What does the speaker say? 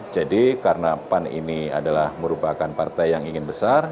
jadi karena pan ini adalah merupakan partai yang ingin besar